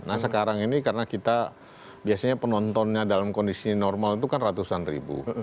nah sekarang ini karena kita biasanya penontonnya dalam kondisi normal itu kan ratusan ribu